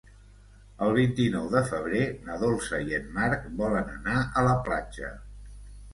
El vint-i-nou de febrer na Dolça i en Marc volen anar a la platja.